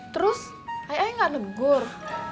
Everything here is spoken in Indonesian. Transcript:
terus ayah nggak negur